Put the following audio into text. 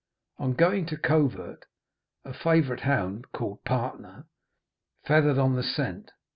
On going to covert, a favourite hound, called Partner, feathered on the scent.